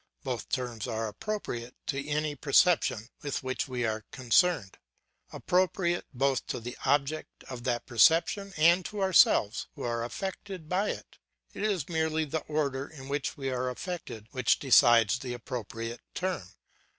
Both terms are appropriate to any perception with which we are concerned, appropriate both to the object of that perception and to ourselves who are affected by it; it is merely the order in which we are affected which decides the appropriate term.